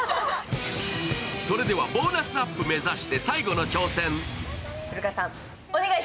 それではボーナスアップ目指して最後の挑戦。